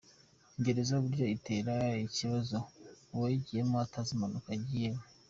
Gereza burya itera ikibazo uwayigiyemo atazi impamvu agiyemo.